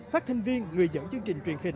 phát thanh viên người dẫn chương trình truyền hình